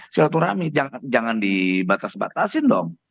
silaturahmi jangan dibatas batasin dong